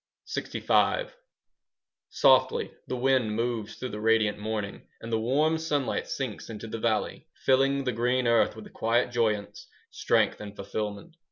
LXV Softly the wind moves through the radiant morning, And the warm sunlight sinks into the valley, Filling the green earth with a quiet joyance, Strength, and fulfilment.